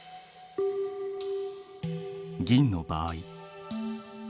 銀の場合。